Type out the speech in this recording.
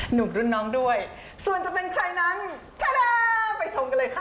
หนุ่มรุ่นน้องด้วยส่วนจะเป็นใครนั้นแค่แล้วไปชมกันเลยค่ะ